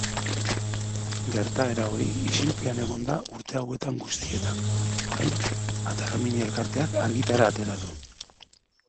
Gertaera hori isilpean egon da urte hauetan guztietan, orain, Ataramiñe elkarteak argitara atera du.